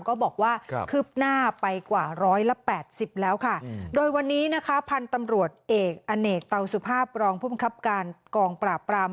ก็บอกว่าคืบหน้าไปกว่าร้อยละแปดสิบแล้วค่ะโดยวันนี้นะคะพันธุ์ตำรวจเอกอเนกเตาสุภาพรองผู้บังคับการกองปราบปราม